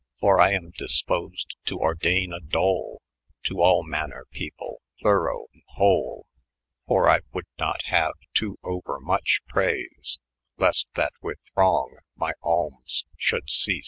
For I am dyspoaed to ordeyn a dole To all manor people thorow a hoi ; For I wold not haue to oner moche preas, Least that with throng my almos shold ceas.